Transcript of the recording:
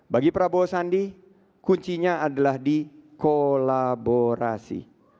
bagi prabowo sandi kuncinya adalah di kolaborasi